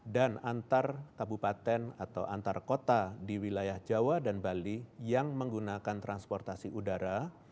dan antar kabupaten atau antar kota di wilayah jawa dan bali yang menggunakan transportasi udara